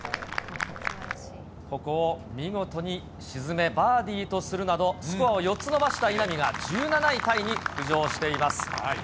ここを見事に沈め、バーディーとするなど、スコアを４つ伸ばした稲見が１７位タイに浮上しています。